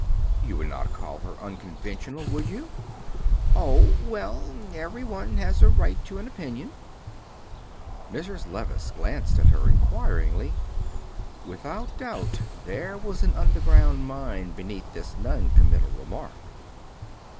"You would not call her unconventional, would you?" "Oh, well; every one has a right to an opinion." Mrs. Levice glanced at her inquiringly. Without doubt there was an underground mine beneath this non committal remark.